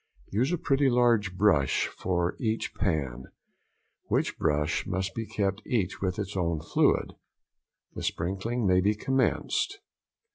Use a pretty large brush for each pan, which brush must be kept each for its own fluid. The sprinkling may be commenced.